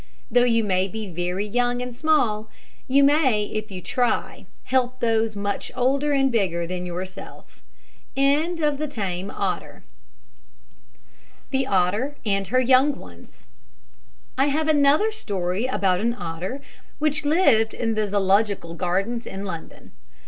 Though you may be very young and small, you may, if you try, help those much older and bigger than yourself. THE OTTER AND HER YOUNG ONES. I have another story about an otter, which lived in the Zoological Gardens in London.